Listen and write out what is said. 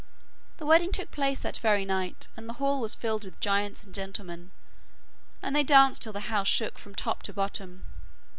The wedding took place that very night, and the hall was filled with giants and gentlemen, and they danced till the house shook from top to bottom.